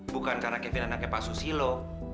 bukan karena kepimpinan anaknya pak susilo